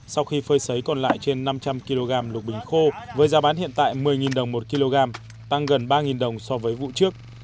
sau khi phơi xấy còn lại trên năm trăm linh kg lục bình khô với giá bán hiện tại một mươi đồng một kg tăng gần ba đồng so với vụ trước